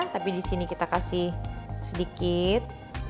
tapi di sini kita kasih sedikit